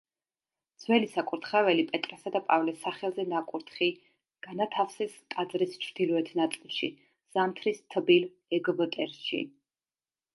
ძველი საკურთხეველი პეტრესა და პავლეს სახელზე ნაკურთხი განათავსეს ტაძრის ჩრდილოეთ ნაწილში, ზამთრის თბილ ეგვტერში.